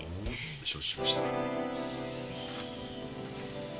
承知しました。